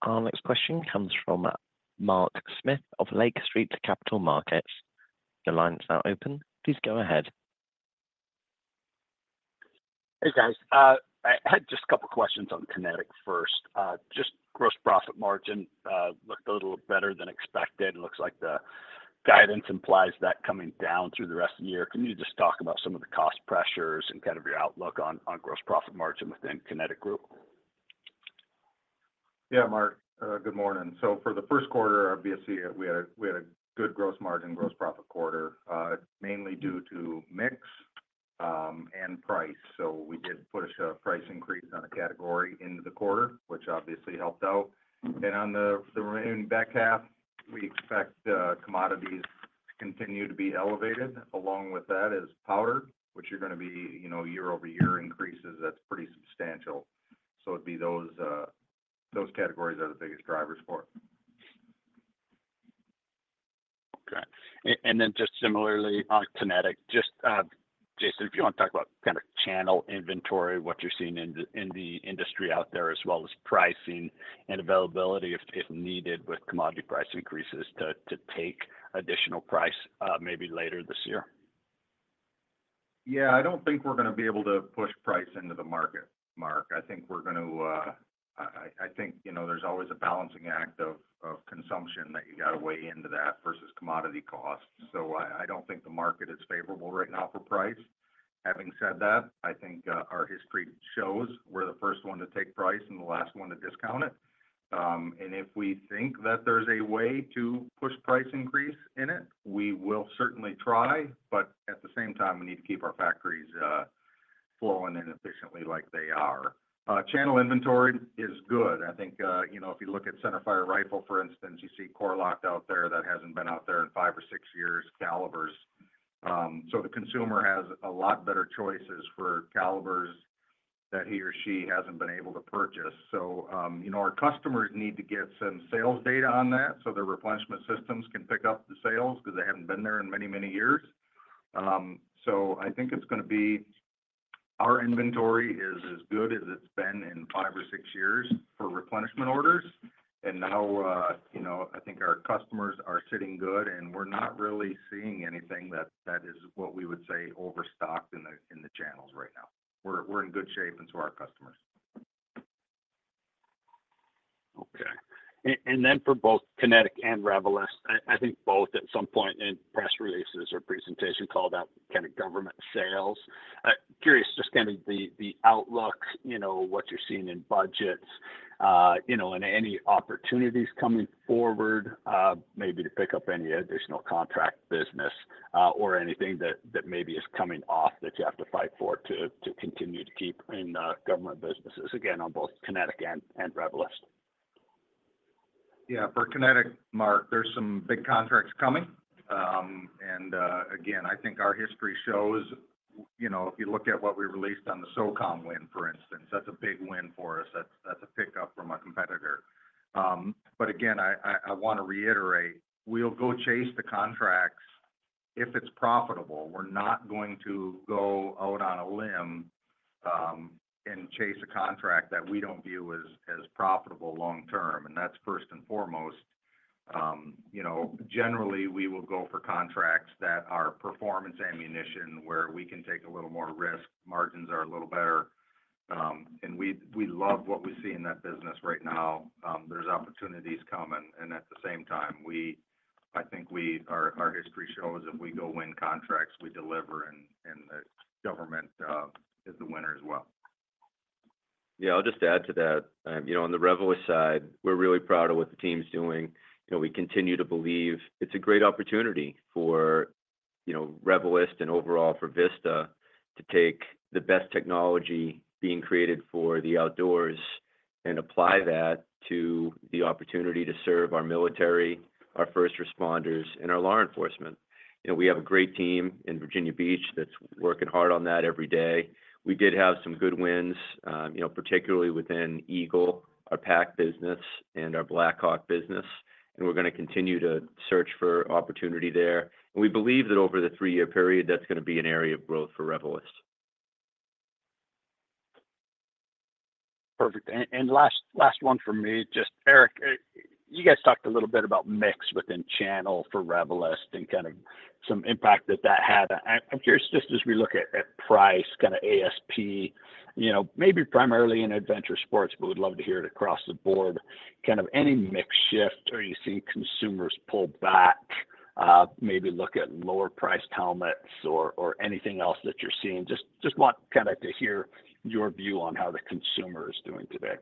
Our next question comes from Mark Smith of Lake Street Capital Markets. Your line is now open. Please go ahead. Hey, guys. I had just a couple questions on Kinetic first. Just gross profit margin looked a little better than expected. It looks like the guidance implies that coming down through the rest of the year. Can you just talk about some of the cost pressures and kind of your outlook on gross profit margin within Kinetic Group? Yeah, Mark. Good morning. So for the first quarter, obviously, we had a good gross margin, gross profit quarter, mainly due to mix and price. So we did push a price increase on a category into the quarter, which obviously helped out. And in the back half, we expect commodities to continue to be elevated. Along with that is powder, which are gonna be, you know, year-over-year increases, that's pretty substantial. So it'd be those categories are the biggest drivers for it. Okay. And then just similarly on Kinetic, just Jason, if you want to talk about kind of channel inventory, what you're seeing in the industry out there, as well as pricing and availability, if needed, with commodity price increases to take additional price, maybe later this year. Yeah, I don't think we're gonna be able to push price into the market, Mark. I think we're going to. I think, you know, there's always a balancing act of consumption that you got to weigh into that versus commodity cost. So I don't think the market is favorable right now for price. Having said that, I think our history shows we're the first one to take price and the last one to discount it. And if we think that there's a way to push price increase in it, we will certainly try, but at the same time, we need to keep our factories flowing and efficiently like they are. Channel inventory is good. I think, you know, if you look at centerfire rifle, for instance, you see Core-Lokt out there that hasn't been out there in 5 or 6 years, calibers. So the consumer has a lot better choices for calibers that he or she hasn't been able to purchase. So, you know, our customers need to get some sales data on that, so their replenishment systems can pick up the sales because they haven't been there in many, many years. So I think it's gonna be our inventory is as good as it's been in 5 or 6 years for replenishment orders. And now, you know, I think our customers are sitting good, and we're not really seeing anything that that is what we would say, overstocked in the channels right now. We're in good shape into our customers. Okay. And then for both Kinetic and Revelyst, I think both at some point in press releases or presentation call about kind of government sales. Curious, just kind of the outlook, you know, what you're seeing in budgets, you know, and any opportunities coming forward, maybe to pick up any additional contract business, or anything that maybe is coming off that you have to fight for to continue to keep in government businesses, again, on both Kinetic and Revelyst. Yeah, for Kinetic, Mark, there's some big contracts coming. Again, I think our history shows, you know, if you look at what we released on the SOCOM win, for instance, that's a big win for us. That's a pickup from our competitor. But again, I want to reiterate, we'll go chase the contracts if it's profitable. We're not going to go out on a limb, and chase a contract that we don't view as profitable long term, and that's first and foremost. You know, generally, we will go for contracts that are performance ammunition, where we can take a little more risk, margins are a little better, and we love what we see in that business right now. There's opportunities coming, and at the same time, I think our history shows if we go win contracts, we deliver, and the government is the winner as well. Yeah, I'll just add to that. You know, on the Revelyst side, we're really proud of what the team's doing, and we continue to believe it's a great opportunity for, you know, Revelyst and overall for Vista to take the best technology being created for the outdoors and apply that to the opportunity to serve our military, our first responders, and our law enforcement. You know, we have a great team in Virginia Beach that's working hard on that every day. We did have some good wins, you know, particularly within Eagle, our pack business, and our Blackhawk business, and we're gonna continue to search for opportunity there. And we believe that over the three-year period, that's gonna be an area of growth for Revelyst. Perfect. And last one for me, just, Eric, you guys talked a little bit about mix within channel for Revelyst and kind of some impact that had. I'm curious, just as we look at price, kind of ASP, you know, maybe primarily in Adventure Sports, but we'd love to hear it across the board, kind of any mix shift or you see consumers pull back, maybe look at lower-priced helmets or anything else that you're seeing. Just want kind of to hear your view on how the consumer is doing today.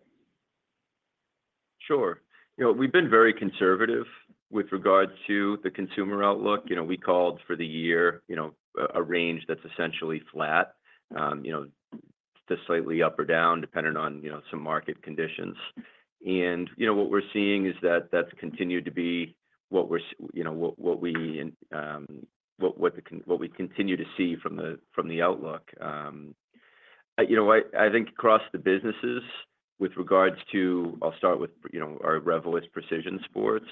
Sure. You know, we've been very conservative with regard to the consumer outlook. You know, we called for the year, you know, a range that's essentially flat, you know, just slightly up or down, depending on, you know, some market conditions. You know, what we're seeing is that that's continued to be what we continue to see from the outlook. You know, I think across the businesses with regards to... I'll start with, you know, our Revelyst Precision Sports.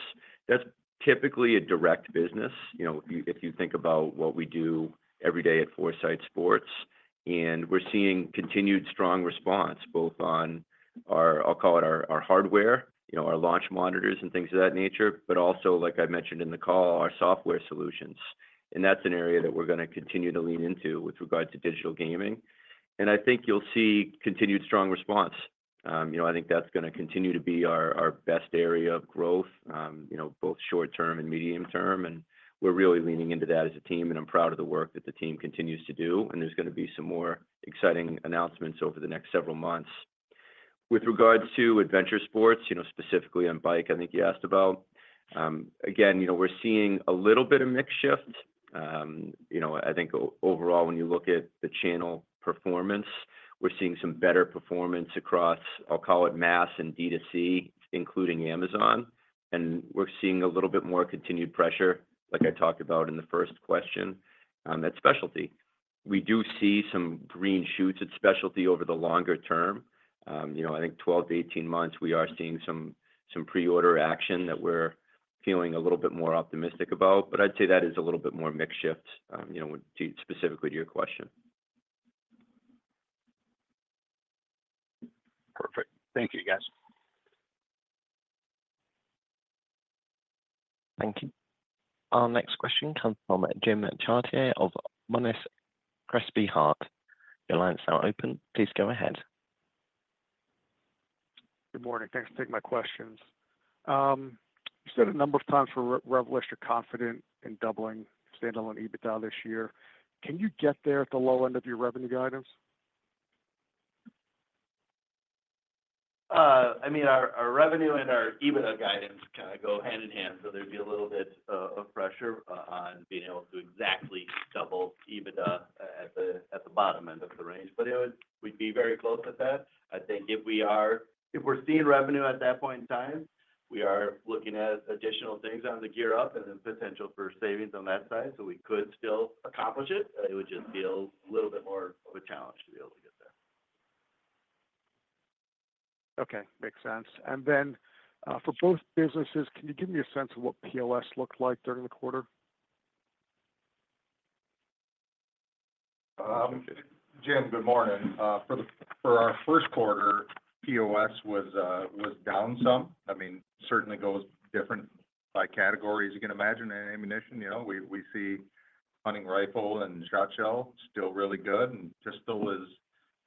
That's typically a direct business. You know, if you think about what we do every day at Foresight Sports, and we're seeing continued strong response, both on our, I'll call it our, our hardware, you know, our launch monitors and things of that nature, but also, like I mentioned in the call, our software solutions. That's an area that we're gonna continue to lean into with regards to digital gaming. I think you'll see continued strong response. You know, I think that's gonna continue to be our, our best area of growth, you know, both short term and medium term, and we're really leaning into that as a team, and I'm proud of the work that the team continues to do. There's gonna be some more exciting announcements over the next several months. With regards to Adventure Sports, you know, specifically on bike, I think you asked about, again, you know, we're seeing a little bit of mix shift. You know, I think overall, when you look at the channel performance, we're seeing some better performance across, I'll call it mass and D2C, including Amazon, and we're seeing a little bit more continued pressure, like I talked about in the first question, at specialty. We do see some green shoots at specialty over the longer term. You know, I think 12-18 months, we are seeing some pre-order action that we're feeling a little bit more optimistic about, but I'd say that is a little bit more mix shift, you know, to specifically to your question. Perfect. Thank you, guys. Thank you. Our next question comes from Jim Chartier of Monness, Crespi, Hardt. Your line is now open. Please go ahead. Good morning. Thanks for taking my questions. You said a number of times for Revelyst, you're confident in doubling standalone EBITDA this year. Can you get there at the low end of your revenue guidance? I mean, our revenue and our EBITDA guidance kinda go hand in hand, so there'd be a little bit of pressure on being able to exactly double EBITDA at the bottom end of the range, but, you know, we'd be very close with that. I think if we are—if we're seeing revenue at that point in time, we are looking at additional things on the GEAR Up and then potential for savings on that side, so we could still accomplish it. It would just be a little bit more of a challenge to be able to get there. Okay, makes sense. And then, for both businesses, can you give me a sense of what POS looked like during the quarter? Jim, good morning. For our first quarter, POS was down some. I mean, certainly goes different by categories. You can imagine in ammunition, you know, we see hunting rifle and shotshell still really good and just still is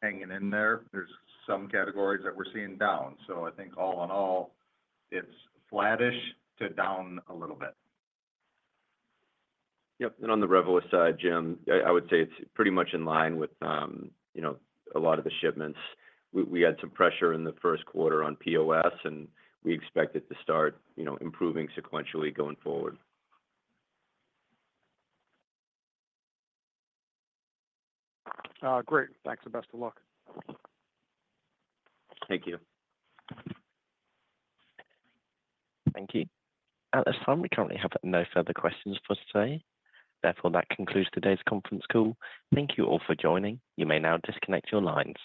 hanging in there. There's some categories that we're seeing down. So I think all in all, it's flattish to down a little bit. Yep, and on the Revelyst side, Jim, I would say it's pretty much in line with, you know, a lot of the shipments. We had some pressure in the first quarter on POS, and we expect it to start, you know, improving sequentially going forward. Great. Thanks, and best of luck. Thank you. Thank you. At this time, we currently have no further questions for today. Therefore, that concludes today's conference call. Thank you all for joining. You may now disconnect your lines.